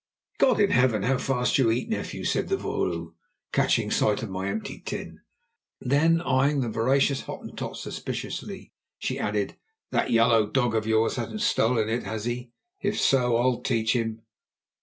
"God in heaven! how fast you eat, nephew," said the vrouw, catching sight of my empty tin. Then, eyeing the voracious Hottentot suspiciously, she added: "That yellow dog of yours hasn't stolen it, has he? If so, I'll teach him."